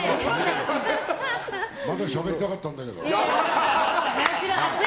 まだしゃべりたかったんだけど。